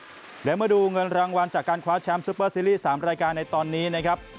เดี๋ยวมาดูเงินรางวัลจากการคว้าแชมป์ซูเปอร์ซีรีส์๓รายการในตอนนี้นะครับ